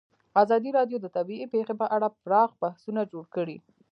ازادي راډیو د طبیعي پېښې په اړه پراخ بحثونه جوړ کړي.